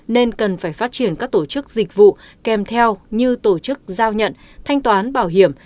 nên cần phải phát triển các tổ chức dịch vụ kèm theo như tổ chức giao nhận thanh toán bảo hiểm